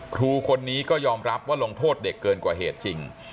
ครูคนนี้ก็ยอมรับว่าลงโทษเด็กเกินกว่าเหตุจริง